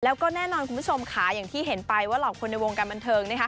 แล้วก็แน่นอนคุณผู้ชมค่ะอย่างที่เห็นไปว่าเหล่าคนในวงการบันเทิง